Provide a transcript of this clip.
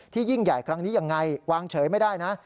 ยิ่งใหญ่ครั้งนี้ยังไงวางเฉยไม่ได้นะ